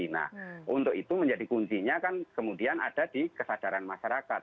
nah untuk itu menjadi kuncinya kan kemudian ada di kesadaran masyarakat